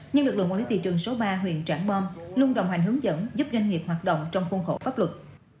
nhưng lực lượng quản lý thị trường số ba huyện trảng bom luôn đồng hành hướng dẫn giúp doanh nghiệp hoạt động trong khuôn khổ pháp luật